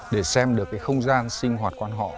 để xem được không gian sinh hoạt quan họ